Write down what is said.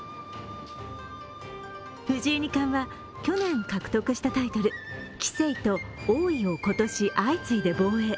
藤井二冠は去年獲得したタイトル、棋聖と王位を今年相次いで防衛。